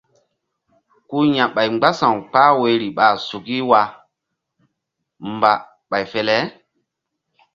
Ku ya̧ ɓay mgbása̧w kpah woyri ɓa suki wah mba ɓay fe le.